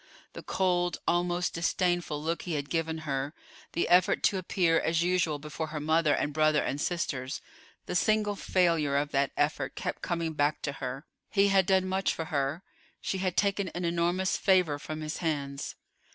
The cold, almost disdainful look he had given her, the effort to appear as usual before her mother and brother and sisters, the signal failure of that effort, kept coming back to her. He had done much for her; she had taken an enormous favor from his hands.